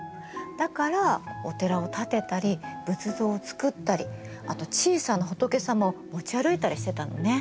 だからお寺を建てたり仏像をつくったりあと小さな仏様を持ち歩いたりしてたのね。